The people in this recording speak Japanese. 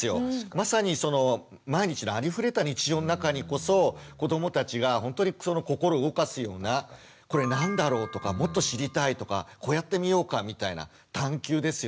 まさに毎日のありふれた日常の中にこそ子どもたちが本当に心を動かすような「これ何だろう？」とか「もっと知りたい」とか「こうやってみようか」みたいな探究ですよね。